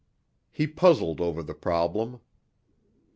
He puzzled over the problem.